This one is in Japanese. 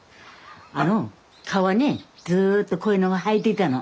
あの川にずっとこういうのが生えてたの。